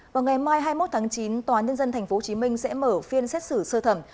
vào ngày mai hai mươi một tháng chín tòa nhân dân tp hcm sẽ mở phiên xét xử sơ thẩm